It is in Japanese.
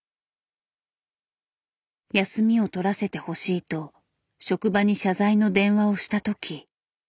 休みを取らせてほしいと職場に謝罪の電話をした時。